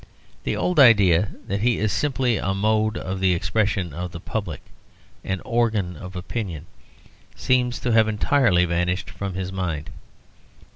The old idea that he is simply a mode of the expression of the public, an "organ" of opinion, seems to have entirely vanished from his mind.